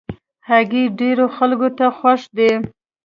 هګۍ ډېرو خلکو ته خوښ دي.